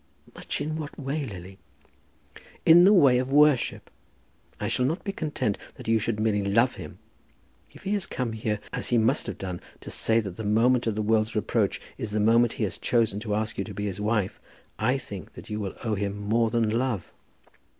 "Much in what way, Lily?" "In the way of worship. I shall not be content that you should merely love him. If he has come here, as he must have done, to say that the moment of the world's reproach is the moment he has chosen to ask you to be his wife, I think that you will owe him more than love."